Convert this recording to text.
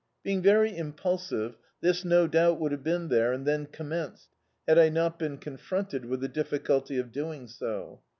Being very impulsive, this no doubt would have been there and then onnmenced, had I not been ccmfronted with the difficulty of doing so.